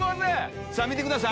見てください。